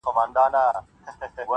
• دا هم ژوند دی چي ستا سر در جوړومه -